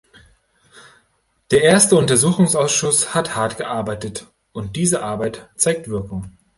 Der erste Untersuchungsausschuss hat hart gearbeitet, und diese Arbeit zeigt Wirkung.